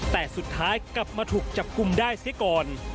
แต่สุดท้ายกลับมาถูกจับกลุ่มได้เสียก่อน